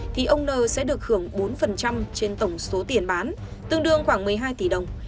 thì ông n sẽ được hưởng bốn trên tổng số tiền bán tương đương khoảng một mươi hai tỷ đồng